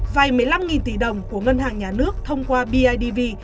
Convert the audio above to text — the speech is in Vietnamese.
vay một mươi năm tỷ đồng của ngân hàng nhà nước thông qua bidv